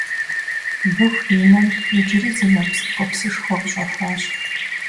Быху и нэм иджыри зы нэпс ткӀуэпсышхуэ къыщӀэхуащ